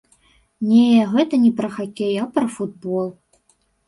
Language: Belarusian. Не, гэта не пра хакей, а пра футбол.